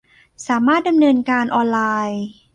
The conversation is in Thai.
สามารถดำเนินการออนไลน์